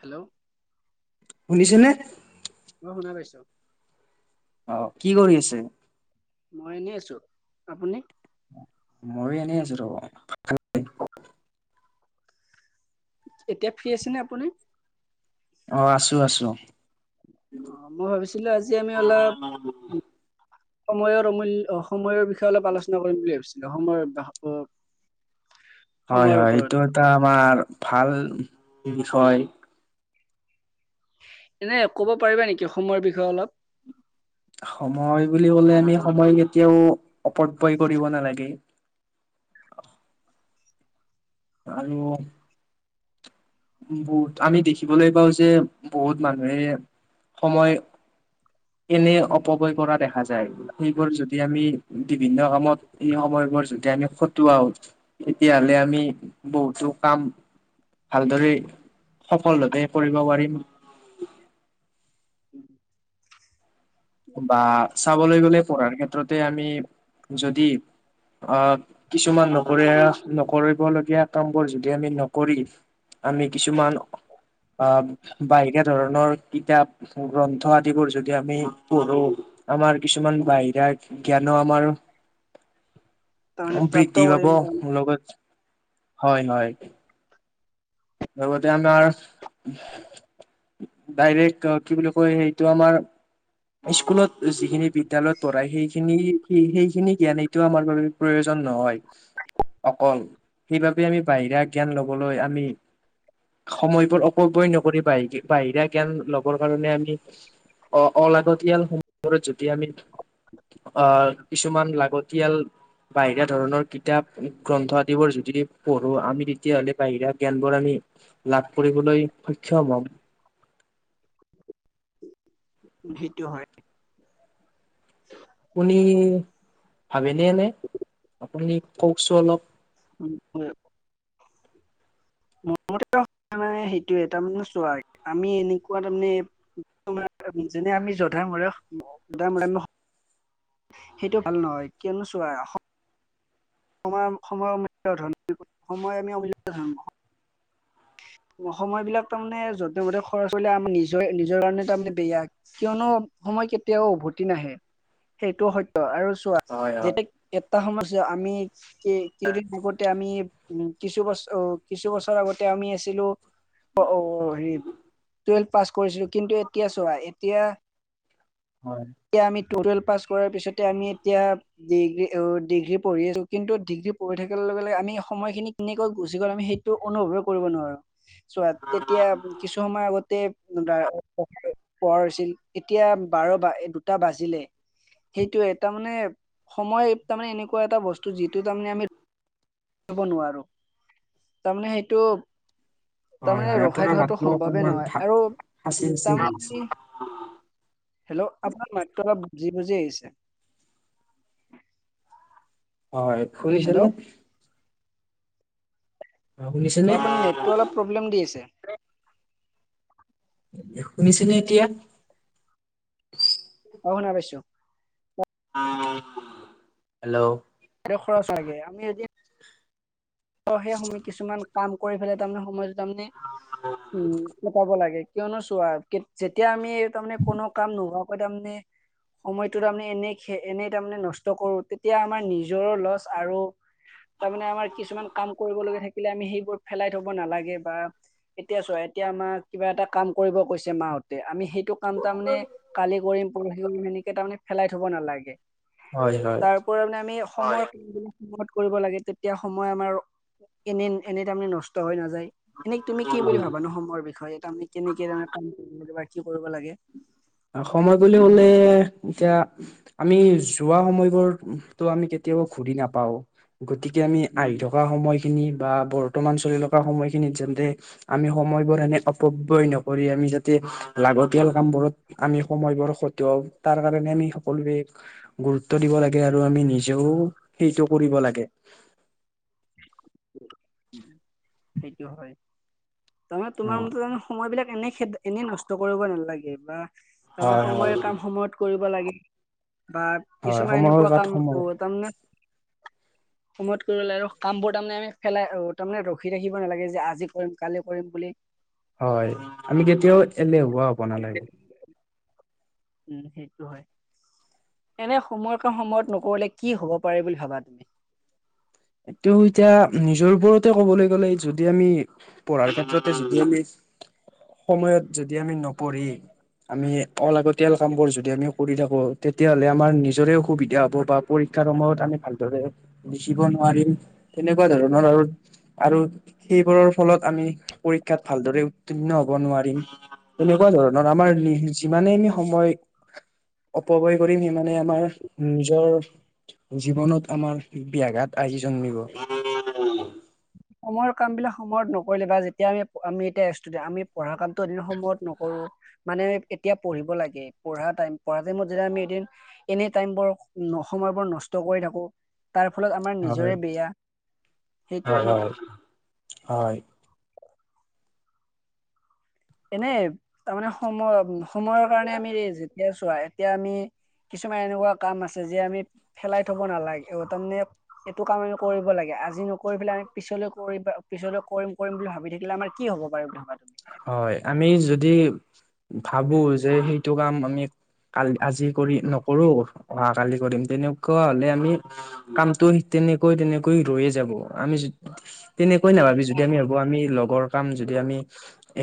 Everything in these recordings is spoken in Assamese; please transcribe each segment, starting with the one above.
হেল্ল'। শুনিছেনে? [inaudible] অ' কি কৰি আছে? মই এনেই আছো, আপুনি? ময়ো এনে আছো ৰ, [unintelligible] এতিয়া ফ্ৰী আছেনে আপুনি? অ' আছো আছো। অ' মই ভাবিছিলো আজি আমি অলপ। সময়ৰ অমূল্য সময়ৰ বিষয়ে অলপ আলোচনা কৰিম বুলি ভাবিছিলো সময়ৰ। হয় সময়ৰ হয়। ওপৰত এইটো এটা আমাৰ ভাল বিষয়। এনে ক'ব পাৰিবা নেকি? অসময়ৰ বিষয়ে অলপ। সময় বুলি ক'লে আমি সময় কেতিয়াও অপব্যয়য় কৰিব নালাগে। [unintelligible] আৰু। বহুত আমি দেখিবলৈ পাওঁ‌ যে বহুত মানুহে সময়। কেনে অপবয় কৰা দেখা যায়। সেইবোৰ যদি আমি বিভিন্ন কামত এই সময়বোৰ। য আমি খটোৱা হ তেতিয়া হ'লে আমি বহুতো কাম। ভালদৰে সফলভাৱে কৰিব পাৰিম। বা চাবলৈ গ'লে পঢ়াৰ ক্ষেত্ৰতে আমি যদি। আহ কিছুমান নকৰিযা নকৰিবলগীয়া কামবোৰ যদি আমি নকৰি। আমি কিছুমান। আহ বাহিৰা ধৰণৰ কিতাপ গ্ৰন্থ আদিবোৰ যদি আমি আমাৰ কিছুমান বাহিৰা জ্ঞানো আমাৰ তাৰমানে সম প্ৰাপ্ত বৃদ্ধি পাব কৰিম তাৰমানে মোৰ লগত হয় হয়। লগতে আমাৰ ডাইৰেক্ট কি বুলি কয় সেইটো আমাৰ স্কুলত যিখিনি বিদ্যালয়ত পঢ়ায় সেইখিনি স সেইখিনি জ্ঞান এইটো আমাৰ বাবে প্ৰয়োজন। নহয় অকল সেইবাবে আমি বাহিৰা জ্ঞান লবলৈ আমি সময়বোৰ অপব্যয় নকৰি বাহি বাহিৰা জ্ঞান লবৰ কাৰণে আমি অ' অলাগতিয়াল সময়বোৰত যদি আমি আহ কিছুমান লাগতিয়াল বাহিৰা ধৰণৰ কিতাপ গ্ৰন্থ আদিবোৰ যদি পঢ়ো আমি তেতিয়াহ'লে বাহিৰা জ্ঞান বোৰ আমি লাভ কৰিবলৈ সক্ষম হম। সেইটো হয়। আপুনি ভাবেনে নে আপুনি কওকচোন অলপ উ হয়। মোৰতে হোৱা নাই সেইটোয়ে তাৰমানে চোৱা আমি এনেকুৱা তাৰমানে যেনে আমি জোধা মৰেধা মৰে আম সেইটো ভাল নহয় কিয়নো চোৱা সময় সময় আমি অমিল সময় বিলাক তাৰ মানে যতে মধে খৰচ কৰিলে আমাৰ নিজৰ নিজৰ কাৰণে তাৰমানানে বেয়া কিয়নো সময় কেতিয়াও উভতি নাহে সেইটো সত্য আৰু চোৱা হয় হয় যেতিয়া এটা সময়ত আমি কেইদিন আগতে আমি উম কিছু বছৰ অ কিছু বছৰ আগতে আমি ছিলো অ' অ' অ' হেৰি টুৱেলভ পাছ কৰিছিলো কিন্তু এতিয়া চোৱা এতিয়া হয়। টুৱেল্ভ পাছ কৰাৰ পিছতে আমি এতিয়া ডিগ্ৰী ডিগ্ৰী পঢ়ি আছো কিন্তু ডিগ্ৰী পঢ়ি থাকিল। লগে লগে আমি সময়খিনি কেনেকৈ গুচি গ'ল আমি সেইটো অনুভৱে কৰিব নোৱাৰো। চোৱা তেতিয়া কিছু সময় আগতে প হৈছিল এতিয়া বাৰ বা দুটা বাজিলে। সেইটোয়ে তাৰ মানে সময় তাৰমানে এনেকুৱা এটা বস্তু যিটো তাৰমানে আমি ব নোৱাৰো তাৰমানে সেইটো হয় তাৰমানে হয় ৰখাই আপোনাৰ থোৱাটো মাতটো সম্ভৱে অকনমান নহয় ফা আৰু ফাঁচি উ ফাঁচি আহিছে তাৰমানে হেল্ল' আপোনাৰ বুজি বুজি আহিছে। হয় শুনিছে হেল্ল' অ নে? অ' শুনিছেনে আপুনি নেট অলপ প্ৰব্লেম দি আছে। শুনিছনে এতিয়া? অ শুনা পাইছো হেল্ল' খৰচ লাগে। আমি যদি সেই সময় কিছুমান কাম কৰি পেলাই তাৰমানে সময়টো তাৰমানে উম কটাব লাগে। কিয়নো চোৱা, যেতিয়া আমি তাৰমানে কোনো কাম নোহোৱাকৈ তাৰমানে সময়টোত তাৰমানে এনে এনেই তাৰমানে নষ্ট কৰো তেতিয়া আমাৰ নিজৰো লছ আৰু তাৰমানে আমাৰ কিছুমান কাম কৰিব লগা থাকিলে আমি সেইবোৰ ফেলাই থব নালাগে বা এতিয়া চোৱা এতিয়া আমাৰ কিবা এটা কাম কৰিব কৈছে মাহতে, আমি সেই সেইটো কাম তাৰ মানে কালি কৰিম, পৰহি কৰি সেনেকে তাৰ মানে ফেলাই থব নালাগে। হয় হয় তাৰপৰা মানে আমি সময় সময়ত কৰিব লাগে তেতিয়া সময় আমাৰ এনে এনে তাৰমানে নষ্ট হৈ নাযায়। এনে তুমি কি বুলি ভাবা নো সময়ৰ বিষয়ে? তাৰমানে কেনেকে [unintelligible] কাম কৰিব লাগে বা কি কৰিব লাগে। সময় বুলি কলে এতিয়া আমি যোৱা সময়বোৰতো আমি কেতিয়া তিয়াও ঘূৰি নাপাও। গতিকে আমি আহি থকা সময়খিনিত বা বৰ্তমান চলি থকা সময়খিনিত যেন্তে আমি স সময়বোৰ এনে অপব্যয় নকৰি আমি যাতে লাগতিয়াল কাম বোৰত আমি সময়বোৰ খটোৱাও, তাৰ কাৰণে আমি সকলোৱে গুৰুত্ব দিব লাগে আৰু আমি নিজেও সেইটো কৰিব লাগে। [inaudible] সেইটো হয়। তাৰমানে অ। তোমাৰ মতে তাৰমানে সময় বিলাক এনে খেদ এনে নষ্ট কৰিব নালাগে বা তাৰ হয় সময়ৰ হয়। কাম সময়ত কৰি ব লাগে বা হয় কিছুমান সময়ৰ এনেকুৱা গাত কাম অ সময় তাৰমানে সময়ত কৰিব লাগে আৰু কাম বোৰ তাৰমানে পেলাই আহ তাৰমানে ৰখি ৰাখিব নালাগে যে আজি কৰিম, কালি কৰিম বুলি। হয়। আমি কেতিয়াও এলেহুৱা হ'ব নালাগে। উম সেইটো হয়। এনে সময়ৰ কাম সময়ত নকৰিলে কি হব পাৰে বুলি ভাবা তুমি? এইটো এতিয়া নিজৰ ওপৰতে কবলৈ গ'লে যদি আমি পঢ়াৰ ক্ষেত্ৰতে যদি আমি সময়ত যদি আমি নপঢ়ি আমি অলাগতিয়াল কাম বোৰ যদি আমি কৰি থাকো। তেতিয়া হ'লে আমাৰ নিজৰে অসুবিধা হ'ব বা পৰী ক্ষাৰ সময়ত আমি ভালদৰে লিখিব ৱাৰিম, তেনেকুৱা ধৰণৰ আৰু আৰু সেইবোৰৰ ফলত আমি পৰীক্ষাত ভালদৰে উৰ্ত্তীৰ্ণ হ'ব নোৱাৰিম। তেনেকুৱা ধৰণৰ আমাৰ যিমানে আমি সময় অপব্যয় কৰিম সিমানে আমাৰ নিজৰ জীৱনত আমাৰ ব্যাঘাত আহি জন্মিব। সময়ৰ কাম বিলাক সময়ত নকৰিলে বা যেতিয়া আমি আমি এতিয়া ষ্টোডেণ্ট। আমি পঢ়া কামতো যদি সময়ত নকৰো মানে এতিয়া পঢ়িব লাগে, পঢ়া টাইম। পঢ়া টাইমত যদি আমি এদিন এনে টাইমবোৰ ন সময়বোৰ নষ্ট কৰি থাকো, তাৰ ফলত আমাৰ নিজৰে হয় বেয়া। সেইটোয়ে হয় ন? হয় হয়। এনেই তাৰমানে সময় সময়ৰ কাৰণে আমি যেতিয়া চোৱা, এতিয়া আমি কিছুমান এনেকুৱা কাম আছে যে আমি ফেলাই থব নালাগে, অ তাৰমানে এইটো কাম আমি কৰিব লাগে। আজি নকৰি পেলাই আমি পিছলৈ কৰিম বা পিছলৈ কৰিম কৰিম বুলি ভাবি থাকিলে আমাৰ কি হ'ব বাৰু ভাবা তুমি হয়, আমি যদি ভাবো যে সেইটো কাম আমি কালি আজি কৰি নকৰো, অহা কালি কৰিম, তেনেকুৱা হলে আমি কামটো তেনেকৈ তেনেকৈ ৰৈয়ে যাব। আমি যদি তেনেকৈ নাভাবি যদি আমি ভাবো আমি লগৰ কাম যদি আমি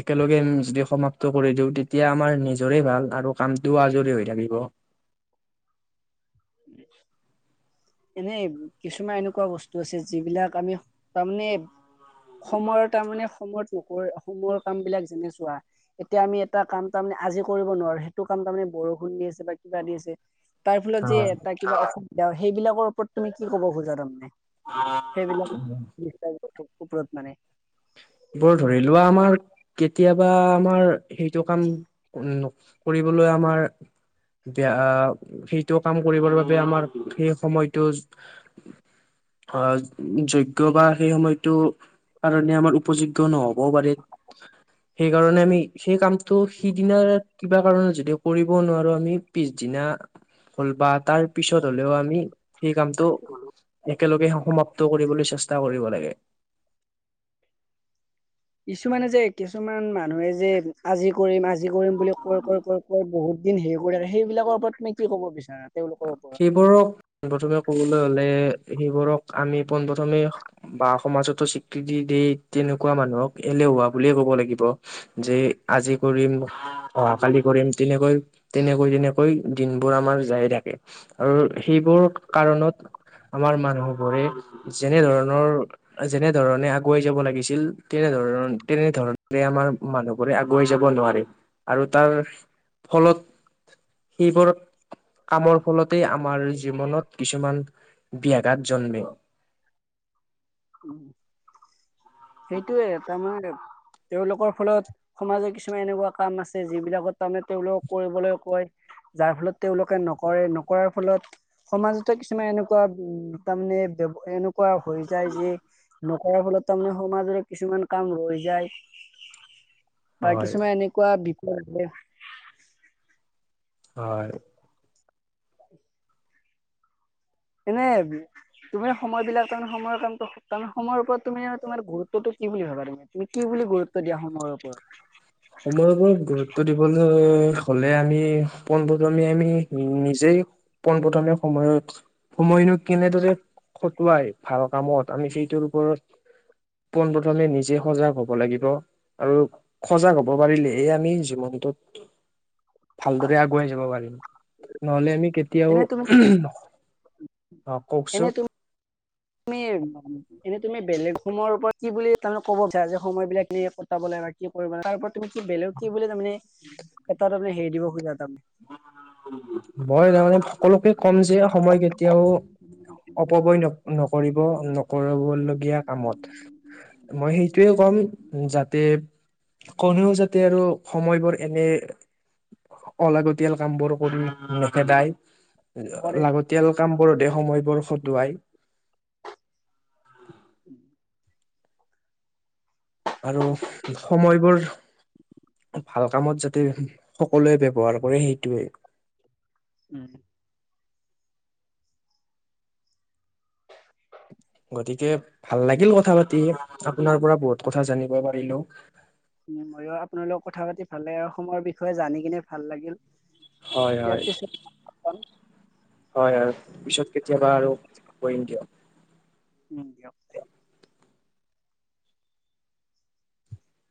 একেলগে যদি সমাপ্ত কৰি দিওঁ, তেতিয়া আমাৰ নিজৰে ভাল আৰু কামটোও আজৰি হৈ থাকিব। [inaudible] [unintelligible] এনেই কিছুমান এনেকুৱা বস্তু আছে যিবিলাক আমি তাৰমানে সময়ৰ তাৰমানে সময়ত নকৰি সময়ৰ কাম বিলাক যেনে চোৱা এতিয়া আমি এটা কাম তাৰমানে আজি কৰিব নোৱাৰো, সেইটো কাম তাৰমানে বৰষুণ দি আছে বা কিবা দি আছে তাৰ ফলত যে এটা কিবা অসুবিধা সেইবিলাকৰ ওপৰত তুমি কি ক'ব খোজা তাৰমানে? সেইবিলাক ওপৰত মানে এইবোৰ ধৰি লোৱা আমাৰ কেতিয়াবা আমাৰ সেইটো কাম ন কৰিবলৈ আমাৰ বেয়া সেইটো কাম কৰিবৰ বাবে আমাৰ সেই সময়টো অ যোগ্য বা সেই সময়তটো কাৰণে আমাৰ উপযোগ্য নহব পাৰে। সেইকাৰণে আমি সেই কামটো সিদিনাৰ কিবা কাৰনে যদিও কৰিব নোৱাৰো আমি পিছদিনা হ'ল বা তাৰ পিছত হ'লেও আমি, সেই কামটো একেলগে সমাপ্ত কৰিবলৈ চেষ্টা কৰিব লাগে। কিছুমানে যে কিছুমান মানুহে যে আজি কৰিম আজি কৰিম বুলি কয় কয় কয় বহুত দিন হেৰি কৰে সেইবিলাকৰ ওপৰত তুমি কি ক'ব বিচাৰা? তেওঁলোকৰ ওপৰত সেইবোৰক প্ৰথমে কবলৈ গলে সেইবোৰক আমি পোন প্ৰথমে বা সমাজতো স্বীকৃতি দি‌ তেনেকুৱা মানুহক এলে বুলিয় ক'ব লাগিব যে আজি কৰিম অহাকালি কৰিম তেনেকৈ তেনেকৈ তেনেকৈ দিনবোৰ আমাৰ যায় থাকে আৰু সেইবোৰ কাৰণত আমাৰ মানুহবোৰে যেনে ধৰণৰ যেনে ধৰণে আগুৱাই যাব লাগিছিল তেনেধৰণে তেনেধৰণৰে আমাৰ মানুহবোৰে আগুৱাই যাব নোৱাৰে আৰু তাৰ- ফলত সেইবোৰ কামৰ ফলতে আমাৰ জীৱনত কিছুমান ব্যাঘাত জন্মে। উ সেইটোয়ে তাৰ মানে তেওঁলোকৰ ফলত সমাজৰ কিছুমান এনেকুৱা কাম আছে যিবিলাকত তাৰমানে তেওঁলোকক কৰিবলৈ কয়। যাৰ ফলত তেওঁলোকে নকৰে নকৰাৰ ফলত সমাজতে কিছুমান এনেকুৱা উ তাৰমানে এনেকুৱা য যে নকৰাৰ ফলত তাৰমানে সমাজৰে কিছুমান কাম ৰৈ যায়। বা হয়, কিছুমান এনেকুৱা বিষয়ে হয়। এনে তুমি সময় বিলাক তাৰমানে সময়ৰ কামটো তাৰ সময়ৰ ওপৰত তুমি তোমাৰ গুৰুত্বো কি বুলি ভাবা তুমি তুমি কি বুলি গুৰুত্ব দিয়া সময় ওপৰত- সময়ৰ ওপৰত গুৰুত্ব দিবলৈ হলে আমি পোন প্ৰথমে আমি নিজেই পোন প্ৰথমে সময় সময়নো কেনেদৰে কটোৱাই ভাল কামত আমি সেইটোৰ ওপৰত পোন প্ৰথমে নিজে সজাগ হ'ব লাগিব আৰু সজাগ হ'ব হব পাৰিলেহে আমি জীৱনটোত ভালদৰে আগুৱাই যাব পাৰিম নহলে আমি কেতিয়াও এনে তুমি অ এনে কওকচোন তুমি তুমি এনেই তুমি বেলেগ সময়ৰ ওপৰত কি বুলি তাৰে ক'ব বিচাৰা যে সময় বিলাক এনে কটাবলৈ কৰিব তাৰ তুমি কি বেলেগ কি ব বুলি তাৰমানে কটা হেৰি দিব খোজা তাৰমানে মই তাৰমাননে সকলোকে কম যে সময় কেতিয়াও- অপব্যয় নকৰো নকবলগীয়া কামত মই সেইটোয়ে কম যাতে কোনেও যাতে আৰু সময়বোৰ এনে অলাগতিয়াল কাম বোৰ কৰি নেখেদাই কৰে লাগতিয়াল কামবোৰতে সময়বোৰ খটুৱাই উম আৰু সময়বোৰ ভাল কামত যাতে সকলোৱে ব্যৱহাৰ কৰে সেইটোৱে উম গতিকে ভাল লাগিল কথা আপোনাৰ পৰা বহুত কথা জানিব পাৰিলো। আপোনাৰ লগত কথা পাতি ভাল লাগে। আৰু অসমৰ বিষয়ে জানি কিনে ভাল লাগিল। হয় ইয়াৰ হয় পিছত হয়, আৰু পিছত কেতিয়াবা আৰু কৰিম দিয়ক। দিয়ক